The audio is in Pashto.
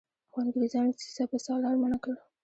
خو انګرېزانو سپه سالار منع کړ.